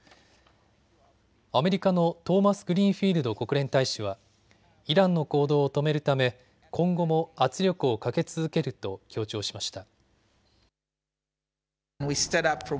アメリカのトーマスグリーンフィールド国連大使はイランの行動を止めるため今後も圧力をかけ続けると強調しました。